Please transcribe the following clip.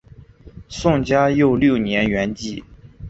宋嘉佑六年圆寂。